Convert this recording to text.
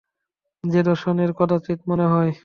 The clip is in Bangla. যে দর্শনকে কদাচিৎ মনে হয়।